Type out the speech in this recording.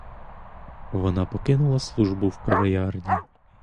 Вона покинула службу в кав'ярні.